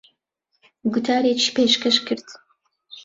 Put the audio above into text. گوتارێکی پێشکەش کرد.